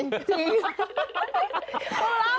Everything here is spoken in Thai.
จริง